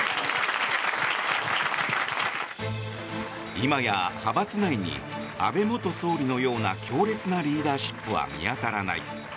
今や派閥内に安倍元総理のような強烈なリーダーシップは見当たらない。